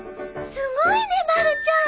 すごいねまるちゃん！